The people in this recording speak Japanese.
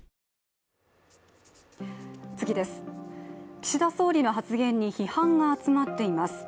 岸田総理の発言に批判が集まっています。